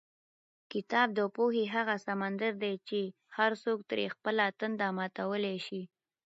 کتاب د پوهې هغه سمندر دی چې هر څوک ترې خپله تنده ماتولی شي.